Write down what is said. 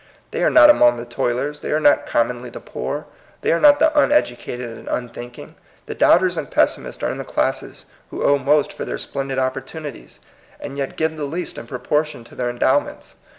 They are not among the toilers, they are not commonly the poor, they are not the uneducated and unthink ing. The doubters and pessimists are in the classes who owe most for their splendid opportunities, and yet give the least in pro portion to their endowments.